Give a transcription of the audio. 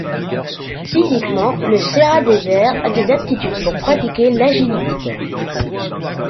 Physiquement le Serra de Aires a des aptitudes pour pratiquer l’Agility.